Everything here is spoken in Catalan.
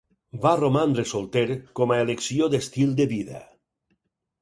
Va romandre solter com a elecció d'estil de vida.